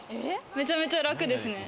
めちゃめちゃ楽ですね。